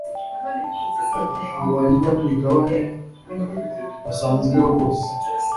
abanyamigabane basanzweho bose